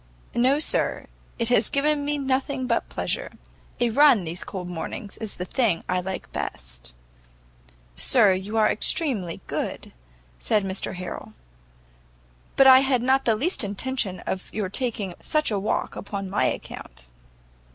"No, sir, it has given me nothing but pleasure; a run these cold mornings is the thing I like best." "Sir, you are extremely good," said Mr Harrel, "but I had not the least intention of your taking such a walk upon my account."